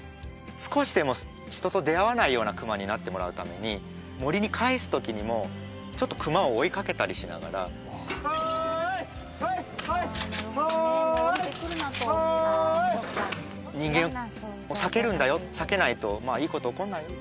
少しでも人と出会わないような熊になってもらうために森に返す時にもちょっと熊を追いかけたりしながら人間を避けるんだよ避けないといいこと起こんないよ